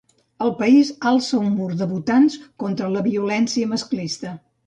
El país alça un mur de votants contra la violència masclista.